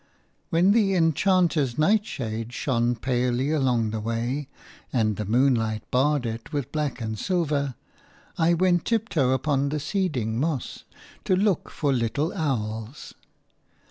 When the enchanter's nightshade shone palely along the way, and the moonlight barred it with black and silver, I went tiptoe upon the seeding moss to look for little owls.